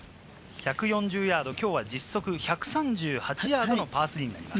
１４０ヤード、きょうは実測１３８ヤードのパー３になります。